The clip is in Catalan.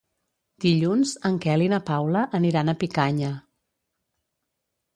Dilluns en Quel i na Paula aniran a Picanya.